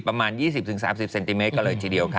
ประมาณ๒๐๓๐เซนติเมตรก็เลยทีเดียวค่ะ